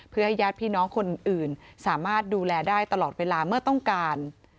เพื่อให้ญาติพี่น้องคนอื่นสามารถดูแลได้ตลอดเวลาเมื่อต้องการ